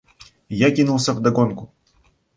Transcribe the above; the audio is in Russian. Я кинулся вдогонку.